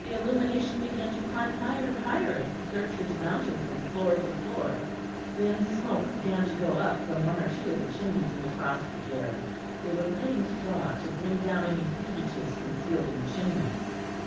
The illumination began to climb higher and higher as the searchers mounted from floor to floor; thin smoke began to go up from one or two of the chimneys in the frosty air; they were lighting straw to bring down any fugitives concealed in the chimneys.